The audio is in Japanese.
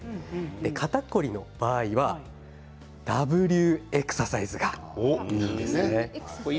肩凝りの場合はＷエクササイズがいいですね。